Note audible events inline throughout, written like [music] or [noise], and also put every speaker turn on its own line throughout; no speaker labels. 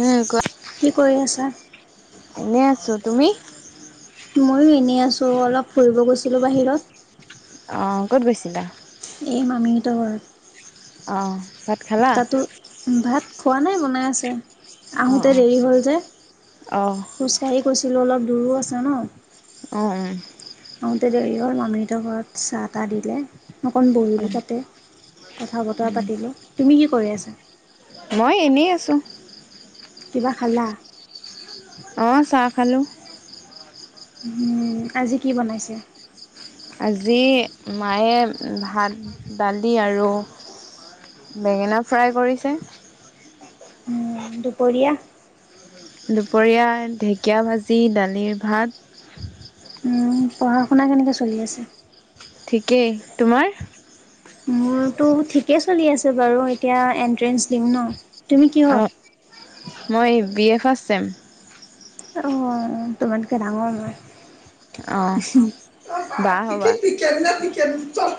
উম কোৱা।
কি কৰি আছা।
চ' তুমি?
ময়ো এনেই আছো অলপ ফুৰিব গৈছিলো বাহিৰত।
অ ক'ত গৈছিলা।
এই মামীহতৰ ঘৰত
অ,। ভাত খালা
তাতো ভাত খোৱা নাই বনাই আছে।
অ
আহোতে দেৰি হল যে
অ অ
খোজকাঢ়ি গৈছিলো অলপ দূৰো আছে জানো।
অ, অ,।
আহোতে দেৰি হল মামীহতৰ ঘৰত চাহ তাহ দিলে। অকন বহিলো
উম
তাতে কথা বতৰা
উম
পাতিলো তুমি কি কৰি আছে।
মই এনেই আছোঁ।
কিবা খালা।
অ, চাহ। হেল্ল'।
উম, আজি কি বনাইছে।
আজি মায়ে ভাত দালি আৰু বেঙেনা ফ্ৰাই কৰিছে।
উম, দুপৰীয়া।
দুপৰীয়া ঢেকীয়া ভাজি দালিৰ ভাত
পঢ়া শুনা কেনেকৈ চলি আছে?
ঠিকেই তোমাৰ।
মোৰতো ঠিকেই চলি আছে বাৰু এতিয়া এন্ট্ৰেন্ঞ্চ দিম ন। তুমি
অ
কিহত?
মই বি এফ কােম ফ্ৰাষ্ঠচেম।
আহ তোমাতোকে
অ
ডাঙৰ
বা হ'বা
মই। [unintelligible]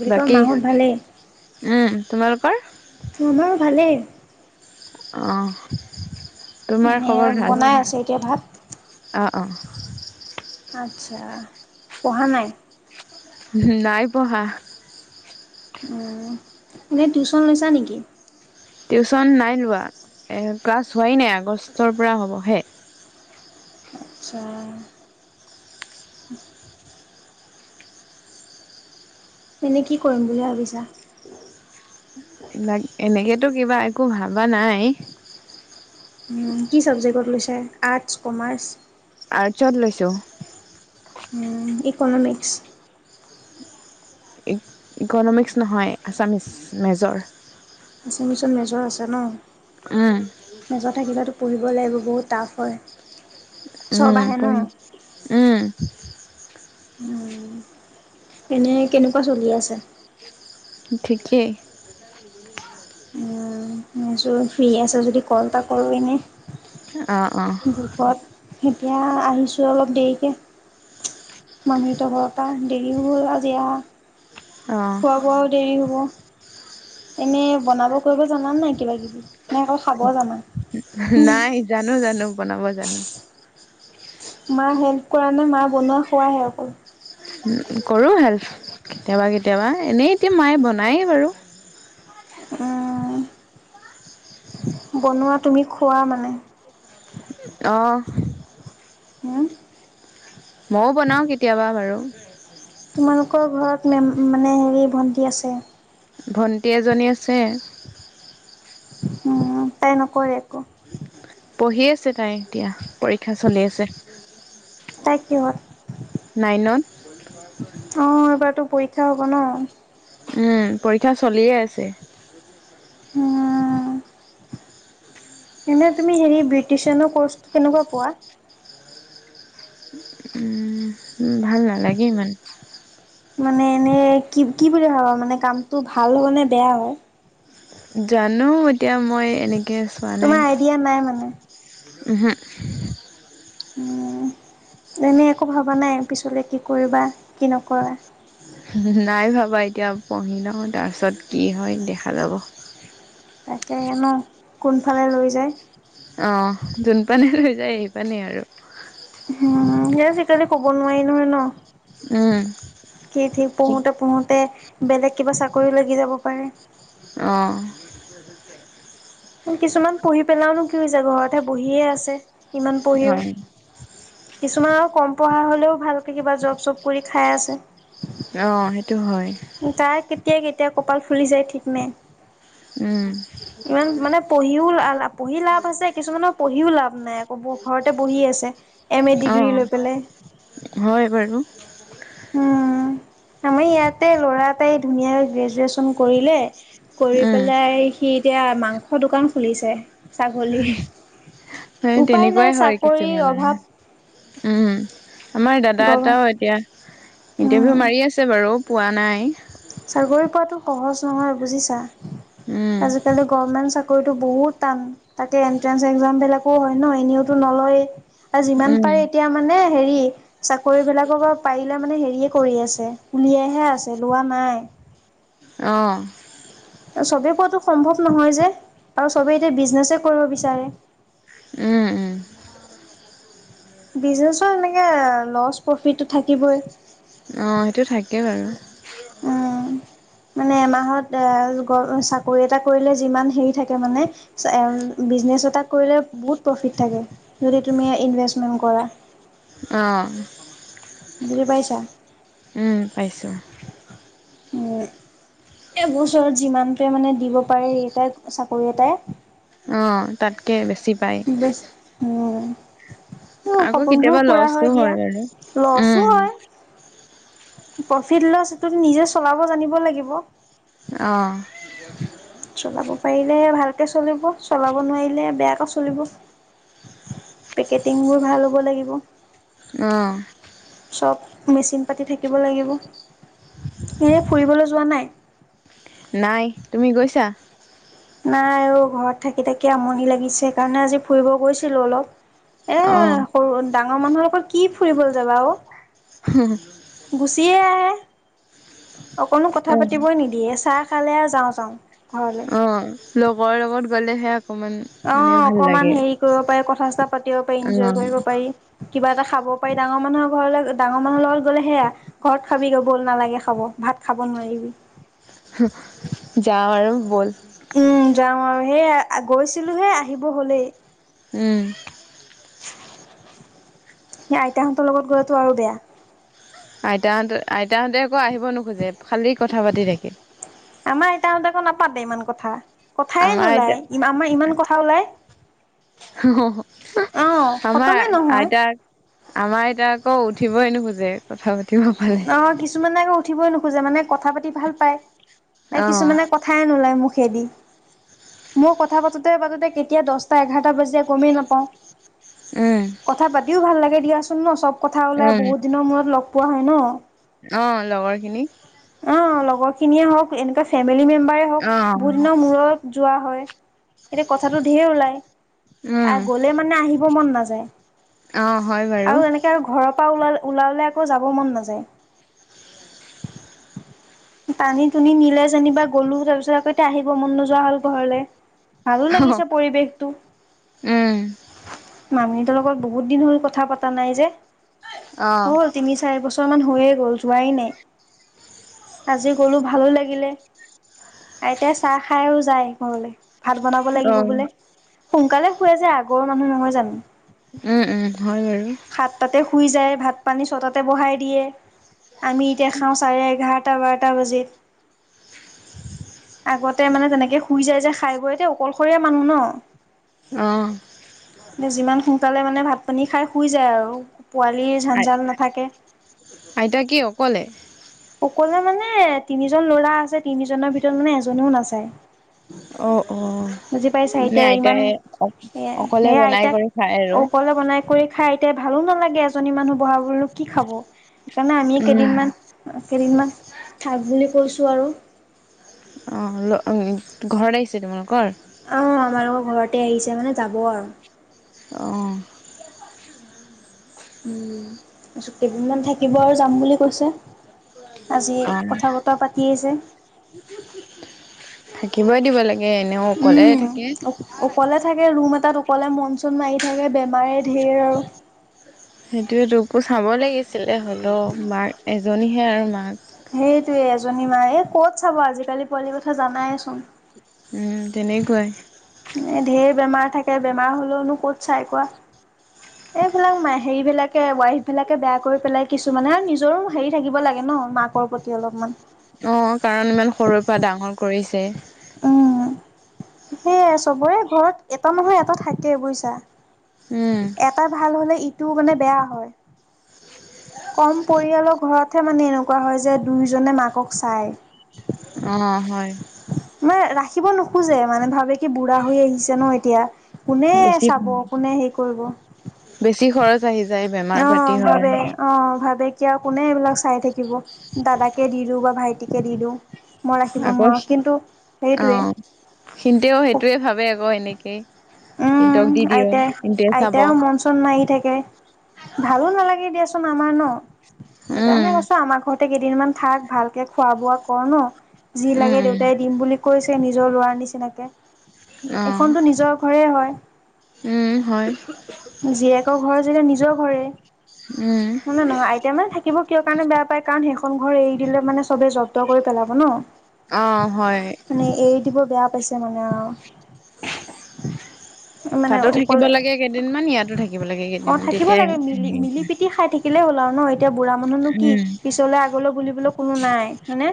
বুলি কয়
বাকী
মাহঁত ভালেই?
উম, তোমাৰ? কৰ
মোৰ ভালেই।
আহ,
এনেই বনাই আছে এতিয়া ভাত।
অহ ', - অহ ',
আচ্ছা পঢ়া নাই।
নাই পঢ়া।
উম, এনেই টিউচন লৈছা নেকি?
টিউশচন নাই লোৱা ক্লাছ হোৱাই নাই আগষ্টৰ পৰা হ'বহে।
আচ্ছা। এনে কি কৰিম বুলি ভাবিছা।
এনেকেতো কিবা একো ভবা নাই।
কি ছাবজেক্টত লৈছে আৰ্টছ কমাৰ্চ।
আৰ্চত লৈছো।
ইকনমিক্স।
ইকনমিক্স নহয় আছামিছ মেজৰ।
অসামিছত মেজৰ আছে ন।
উম
মেজৰ থাকিলেতো পঢ়িব লাগিব বহুত টাফ হয়। চব
উম-
আহে ন?
উম।
উম, এনে কেনেকুৱা চলি আছে।
ঠিকেই।
উম, মই ভাৱিছো ফ্ৰী আছা যদি কল এটা কৰো এনে।
অহ ', - অহ ',
এতিয়া আহিছো অলপ দেৰিকে। মানুহ ত ঘৰৰ পৰা দেৰিও হ'ল আজি আহা।
অ
খোৱা বোৱাও দেৰি হ'ব। এনে বনাব কৰিব জানা নাই কিবা কিবি নাই নে অকল খাব জানা।
নাই জানো - জানো বনাব জানো।
মা হেল্প কৰা নে মা বনোৱা খোৱাহে অকল।
কৰো হেল্প। কেতিয়াবা-কেতিয়াবা। এনেই এতিয়া মায়ে বনায়েই বাৰু।
অহ ', বনোৱা তুমি খোৱা মানে।
অহ ',
হম।
মইও বনাও কেতিয়াবা বাৰু। [inaudible]
তোমালোকৰ ঘৰত মেম মানে হেৰি ভণ্টি আছে।
ভণ্টি এজনী আছে।
উম তাই নকৰে একো।
পঢ়ি আছে তাই এতিয়া পৰীক্ষা চলি আছে।
তাই কিহত?
নাইনত
অ' এবাৰতো পৰীক্ষা। [unintelligible] হ'ব নহ।
উম পৰীক্ষা চলিয়ে আছে।
এনে তুমি হেৰি বিউটিচিয়ানৰ কোৰ্চ কেনেকুৱা পোৱা?
উম ভাল নালাগে ইমান।
মানে এনে কি কি বুলি ভাবা মানে কামটো ভাল হব নে বেয়া অ।
জানো। এতিয়া মই এনেকৈ চোৱা নাই।
তোমাৰ আইডিয়া নাই মানে
উমহু।
উম এনেই একো ভবা নাই পিছলে কি কৰিবা কি নকৰা।
নাই ভাবা এতিয়া পঢ়ি লওঁ তাৰপিছত কি হয় দেখা যাব।
তাকে হেনো কোনফালে লৈ যায়।
অ' যোন পানেই লৈ যায় সেই পানেই আৰু।
উম সে আজিকালি কব নোৱাৰি নহ।
উম।
কি ঠিক
কি
পঢ়োতে পঢ়োতে বেলেগ কিবা চাকৰি। কৰি লাগি যাব পাৰে।
অ'।
কিছুমান পঢ়ি পেলাওঁ নো। [unintelligible] ঘৰতহে বহিহে আছে। ইমান
অ
পঢ়িও কিছুমান আৰু কম। পঢ়া হ'লেও ভালকৈ কিবা জব-চব কৰি খাই আছে।
অ' সেইটো হয়।
[unintelligible] [unintelligible] কেতিয়া কপাল ফুলি যায় ঠিক নাই।
উম।
ইমান মানে পঢ়িও পঢ়ি লাভ আছে কিছুমানৰ পঢ়িও লাভ নাই আকৌ ঘৰতে বহি আছে এমএ
অ
ডিগ্ৰী লৈ পেলাই।
হয় [inaudible]
উম আমি ইয়াতে ল'ৰা এটাই ধুনীয়া গ্ৰেজুৱেচন কৰিলে। কৰি
উম
পেলাই সি। এতিয়া মাংস দোকান খুলিছে। ছাগলীৰ। উপায় নাই
তেনেকুৱাই হয়
চাকৰিৰ
কিছুমানে
অভাৱ
উম আমা। আমাৰ দাদা
গভমেণ্ট
এটাও এতিয়া
উম
ইন্টাৰভিউ মাৰি আছে বাৰু। পোৱা নাই।
চাকৰি পোৱাটো সহজ নহয় বুজিছা।
উম
আজিকালি গভৰ্মেন্ত চাক। কৰিলো বহুত টান। তাকে এন্ট্ৰেঞ্চ এক্সামবিলাক। অহ হয় ন এনেওতো নলয়ে। আৰু যিমান
উম
পাৰে এতিয়া মানে হেৰি। চাকৰি বিলাকৰ পৰা পাৰিলে মানে হেৰি। ঠিকে কৰি আছে, উলিয়াইহে আছে লোৱা নাই।
অহ।
সবে কোৱাটো সম্ভৱ নহয় যে, আৰু সবে এতিয়া বিজনেছহে কৰিব বিচাৰে।
উম উম।
বিজনেচৰ এনেকে-এ লছ প্ৰফিটটো থাকিবই।
অ সেইটো থাকে বাৰু
উম, মানে এমাহত এ লোক-চাকৰি এটা কৰিলে যিমান হেৰি থাকে মানে। এম বিজনেছ এটাত কৰিলে বহুত প্ৰফিত থাকে। যদি তুমি ইনভেষ্ট মকৰা।
অহ।
বুজি পাইছা?
উম পাইছোঁ।
উম। এবছৰত যিমানটোৱে মানে দিব পাৰে এই এটাই চাকৰি এটাই।
অহ তাতকে বেছি পায়
বছ, উম।
আকৌ
সপোনবোৰ
কেতিয়াবা
পুৰা
লচো
দিয়া।
হয় বাৰু,
লছো
উম।
হয়, প্ৰফিট লছ্টো নিজে চলাব জানিব লাগিব।
অহ। [inaudible]
চলাব পাৰিলে ভালকৈ চলিব, চলাব নোৱাৰিলে বেয়াকৈ চলিব, পেকেটিংবোৰ ভাল হ'ব লাগিব।
অহ।
চব মেচিন পাতি থাকিব লাগিব, এনে ফুৰিবলৈ যোৱা নাই।
নাই তুমি গৈছা।
নাই ও ঘৰত থাকি থাকি আমনি লাগিছে সেইকাৰণে আজি ফুৰিব গৈছিলো অলপ।
অ
এ- সৰু ডা ঘৰৰ মানুহে আকৌ। কি ফুৰিবলৈ যাবা অহ, গুচিয়ে আহে। অকনো কথা
অ
পাতিবই নিদিয়ে চাহ খালে। যাওঁ যাওঁ। ঘৰলে।
আহ। লগৰ লগত গ'লেহে অকমান
অ
মানে ভাল
অকমান
লাগে
হেৰি কৰিব পাৰে কথা সচ পাতিব পাৰি
অ
এনজয় কৰিব পাৰি। কিবা এটা খাব পাৰি ডাঙৰ মানুহৰ ঘৰলৈ ডাঙৰ মানুহৰ লগত গ'লে সেয়া ঘৰত খাবিগৈ ব'ল নালাগে খাব ভাত খাব নোৱাৰিবি।
যাওঁ আৰু ব'ল
উম যাওঁ আৰু সেই গৈছিলোহে আহিব হলেই।
উম।
সেই আইতাহঁতৰ লগত গলেতো আৰু বেয়া।
আইতাহতে আইতাহঁতে আকৌ আহিব নোখোজে খালি কথা পাতি থাকে।
আমাৰ আইতাহঁতে নাপাতে ইমান কথা। কথায়ে
আমাৰ আইতা
নোলায় আমাৰ ইমান কথা ওলায় আহ
আমাৰ
খতমে নহয়।
আইতাক আমাৰ এতিয়া আকৌ উঠিবই নোখোজে কথা পাতি
অ কিছুমানে আকৌ উঠি উঠিবই নোখোজে মানে কথা পাতি ভাল পাই এ
অ
কিছুমানে কথাই নোলাই মু দি মই কথা পাতোতে পাতোতে কেতিয়া দহটা এঘাৰটা বাজি যায় গমেই নাপাওঁ।
উম
কথা পাতিও ভাল লাগে। দিয়াচোন ন চব কথা ওলাই
উম
বহুত দিনৰ মূৰত লগ পোৱা হয় হয় ন।
অ লগৰ খিনি
অ লগৰ খিনিয়ে হক এনেকুৱা ফেমিলি মেম ম্বাৰ হওক
অ
বহু দিনৰ মূৰত যোৱা হয়। এতিয়া কথাটো ধেৰ ওলাই
উম
আৰু গ'লে মানে আহিব মন না যায়।
অ হয় বাৰু।
ওল ওলাললে আকৌ যাব ব মন নাযায়। টানি টুনি নিলে যেনিবা গ'লো তাৰ পিছত আক এয়া আহিব মন নোযোৱা হ'ল ঘৰলৈ। ভালো
অ
লাগিছে পৰিৱেশটো
উম
মামি তেওঁল লগত বহুত দিন হল কথা পাতা নাই যে।
অ
হল তিনি চাৰে বছ বছৰান হৈয়ে গ'ল যোৱাই নাই। আজি গ'লো ভালো লাগিলে, আইতাই চাহ খায়ো আৰু যায় ঘৰলৈ। ভাত বনাব
অ
লাগিব বোলে, সোনকালে শুৱে যে আগ গৰ মানুহ নহয় জানো।
উম, উম, হয় বাৰু।
সাতটাতে শুই যায়, ভাত পানী ছটাতে বহাই দিয়ে। আমি এতিয়া খাওঁ চাৰে এঘাৰ টা বাৰটা বজি, আগতে মানে তেনেকে শুই যায় যে খাই বৈ এতিয়া অকলশৰীয়া মানুহ ন'।
অ
যিমান সোনকালে মানে ভাত পানী খাই শুই যায় আৰু। পোৱালিৰ ঝাণ্জাল নাথাকে।
আইতা কি অকলে
অকলে মানে তিনিজন ল'ৰা আছে, তিনিজনৰ ভিতৰত মানে এজনেও নাচায়।
অ', অ',
বুজি পাইছা
মানে
এতিয়া ইমান
আইতাই অ',
এ
অকলে
সেয়া
বনাই
আইতাক
কৰি খায় আৰু।
অকলে বনাই কৰি খাই আইতাই ভালো নালাগে, এজনী মানুহ বহা বোলো কি খাব। সেইকাৰণে আমি
উম
কেইদিনমান কেইদিনমান থাক বুলি কৈছোঁ আৰু।
অ ল অ ঘৰত আহিছে তোমালোকৰ?
অ আমাৰো ঘৰতে আহিছে মানে যাব আৰু।
অ।
উম যোগ কেইদিনমান থাকিব আৰু যাম বুলি কৈছে। আজি
অ
কথা বতৰা পাতি আছে।
কিবই দিব লাগ
উম অক অকলে থাকে ৰুম এটাত অক ক'লে মনচুন মাৰি থাকে বেমাৰে ঢেৰ আৰু।
সেইটোয়ে তোকো চাব লাগিছ ছিলে হ'লেও মাৰ এজনীহে আও মাক
সেইটোয়ে এজনী মা এই কত চাব আজিকালি পোৱালি কথা জানাইেচোন।
উম তেনেকুৱাই।
এ ধেৰ বেমাৰ থাকে, বেমাৰ হলেওনো ক'ত চাই কোৱা? এইবিলাক হেৰিবিলাকে ৱাইফবিলাকে বেয়া কৰি পেলাই কিছুমানে নিজৰো হেৰি থাকিব লাগে ন মাকৰ প্ৰতি অলপমান।
অ কাৰণ ইমান সৰুৰ পৰা ডাঙৰ কৰিছে।
অ। সেয়াই চবৰে ঘৰত এটা নহয় এটা থাকে বুইছা।
উম
এটা ভাল হলে ই টো মানে বেয়া হয়। কম পৰিয়ালৰ ঘৰতহে মানে এনেকুৱা হয় যে দুয়োজনে মাকক চায়।
অ', হয়।
মানে ৰাখিব নোখোজে মানে ভাবে কি বুঢ়া হৈ আহিছে ন এতিয়া। কোনে
বেছি
চাব কোনে হেৰি কৰিব।
বেছি খৰচ আহি যায়। বেমাৰ পাতি
অ',
হয়
ভাবে অ', ভাবে। কিয় কোনে এইবিলাক চাই থাকিব। দাদাকে দিলো বা ভাইট টি কে দি দিওঁ। মই ৰাখিব
আকৌ
নোৱাৰোঁ কিন্তু সেইটোৱে।
অ', সিহতেও সেইটোৱে ভাবে আকৌ এনে একে।
উম আইতাই
চাব
আইতাইও মন চন মাৰি থাকে ভালো নালাগে দিয়া। আমাৰ ন। সেইকাৰণে
উম
কৈছ আমাৰ ঘৰতে কেইদিনমান থাক ভালকে খোৱা বোৱা কৰ ন। যি লাগে
উম
দেউতাই দিম বুলি কৈছে। নিজৰ লোৱাৰ নিচিনাকে।
অ
এখনতো নিজৰ ঘৰে হয়
উম হয়
জীয়েকৰ ঘৰ যেতিয়া নিজ জৰ ঘৰে।
উম
মানে নহয় আইতা মানে থাকিব কিয় কাৰণে বেয়া পায় কাৰণ সেইখন অখন ঘৰ এৰি দিলে মানে চবে জব্দ কৰি পেলাব ন।
অ', হয়।
মানে এৰি দিব বেয়া পাইছে মানে অহ।
[inaudible]
মানে
তাতো থাকিব
অকলে
লাগে কেইদিনমান ইয়াতো থাকিব লাগে
অ',
কেইদিনমান
থাকিব
তেতিয়া
লাগে মিলি মিলি পিটি খাই থাকিলে হ'ল আৰু ন এতিয়া বুঢ়া মানুহনো কি
উম
পিছলে আগলৈ বুলিবলৈ কোনো নাই মানে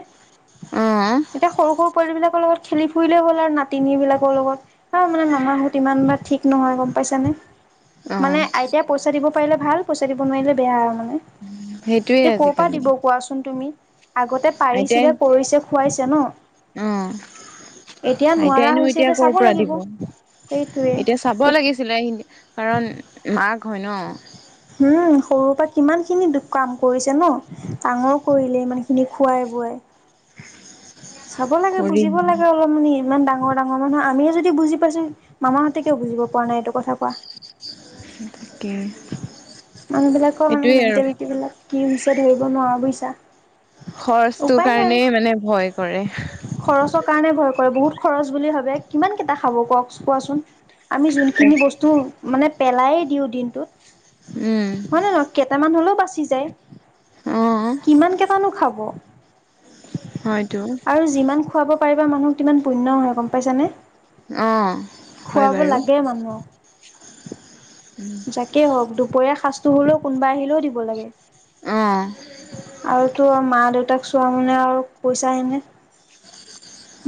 অ',
এতিয়া সৰু সৰু পোৱালিবিলাক লগত খেলি ফুৰিলে হ'ল আৰু নাতিনী বিলাকৰ লগত। অ' মানে মামাহঁত ইমান এটা ঠিক নহয় গম পাইছ নে
অ',
মানে আইত পইচা দিব পাৰিলে ভাল পইচা দিব নোৱাৰিলে বেয়া আৰু মানে।
সেইটোয়ে
এ কৰ পৰা
আজিকালি
দিব কোৱাচোন তুমি। আগতে
আইতাই
পাৰিছিলে কৰিছে খুৱাইছে জনো
অ',
এতিয়া নোৱাৰা
আইতাইনো
হৈছে এতিয়া
ক'ৰ
চাব
পৰা
লাগিব।
দিব
সেইটোৱে।
এতিয়া চাব লাগিছিলে এইহিনি কাৰণ মাক হয় ন
হম সৰুৰ পৰা কিমান খিনি দু কাম কৰিছে ন ডাঙৰ কৰিলে ইমান খিনি খুৱাই বোৱাই চাব লাগে
কৰি
বুজিব লাগে অলপমান এ ইমান ডাঙৰ ডাঙৰ মানুহ আমিয়ে যদি বুজি পাইছো মামাহঁতে কিয় বুজিব পৰা নাই এইটো কথা কোৱা
হু তাকে
মানুহবিলাকৰ মানে
সেইটোয়ে আৰু
মেন্টেলিটি বিলাক কি হৈছে ধৰিব নোৱাৰা বুই ত
খৰচটো কাৰণেই মানে ভয় কৰে
খৰচৰ কাৰণে ভয় কৰে বহুত খৰচ বুলি ভাবে কিমান কেইটা খাব কওক কোৱাচোন আমি যোনখিনি বস্তু মানে পেলাই দিওঁ দিনটোত
উম
হয় নে নহ কেইটামান হলেও বা পচি যায়
অ',
কিমান কেইটানো খাব
হয়তো
আৰু যিমান খুৱাব সেইবোৰ মানুহ কিমান পুণ্য হয় গম পাইছানে
অ', হয়
খোৱাব
বাৰু
লাগে মানুহক যাকে হওক দুখ ক সাজটো হ'লেও কোনোবা আহিলেও দিব লাগে
অ',
আৰু তো মা দেউতাক [unintelligible] পইচা আনে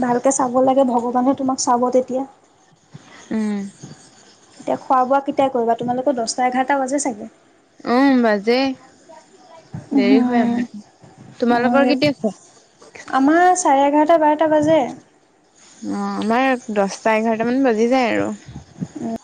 ভালকে চাব লাগে ভগৱানে তোমাক চাব তেতিয়া
উম
এতিয়া খোৱা বোৱা কিতা কৰিবা তোমালোকে দছটা এঘা ৰটা বাজে চাগে
উম বাজেই দেৰি হয়
উম।
আমাৰ তোমালোকৰ
মোৰ
কেতিয়া খোৱা
এ বাৰটা বাজে
অ আমাৰ দছটা এঘাৰটা মান বাজি যায় আৰু
উম